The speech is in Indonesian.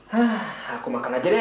hah aku makan aja deh